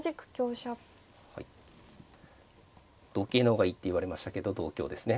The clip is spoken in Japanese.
同桂の方がいいって言われましたけど同香ですね。